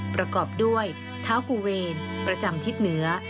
ประกอบด้วยเท้ากูเวรประจำทิศเหนือ